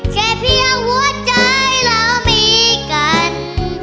แค่เพียงหัวใจเรามีกัน